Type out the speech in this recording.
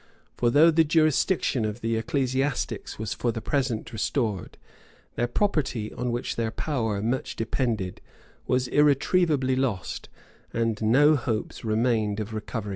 For though the jurisdiction of the ecclesiastics was for the present restored, their property, on which their power much depended, was irretrievably lost, and no hopes remained of recovering it.